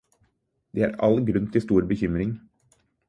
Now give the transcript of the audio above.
Det er all grunn til stor bekymring.